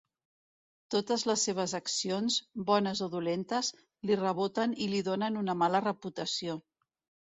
Totes les seves accions, bones o dolentes, li reboten i li donen una mala reputació.